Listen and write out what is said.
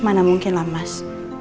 mana mungkin lah mas